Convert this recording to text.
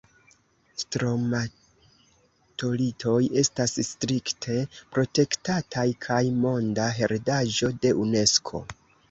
Stromatolitoj estas strikte protektataj kaj Monda heredaĵo de Unesko.